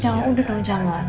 jangan udah dong jangan